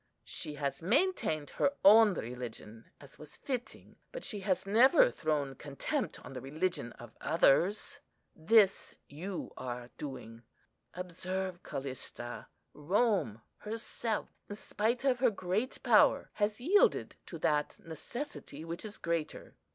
She has maintained her own religion, as was fitting; but she has never thrown contempt on the religion of others. This you are doing. Observe, Callista, Rome herself, in spite of her great power, has yielded to that necessity which is greater.